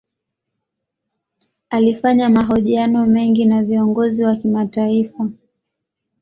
Alifanya mahojiano mengi na viongozi wa kimataifa.